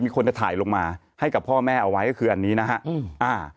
คนจะถ่ายลงมาให้กับพ่อแม่เอาไว้ก็คืออันนี้นะฮะอืมอ่า